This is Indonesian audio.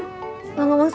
aku nanya kak dan rena